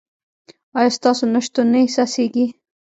ایا ستاسو نشتون نه احساسیږي؟